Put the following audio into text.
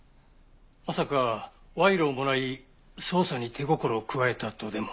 まさか賄賂をもらい捜査に手心を加えたとでも？